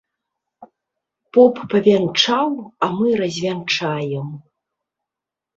Поп павянчаў, а мы развянчаем.